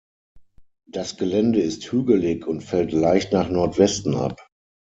Das Gelände ist hügelig und fällt leicht nach Nordwesten ab.